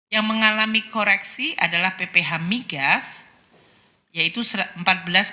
yang mengalami koreksi adalah pph migas yaitu rp empat belas lima puluh tiga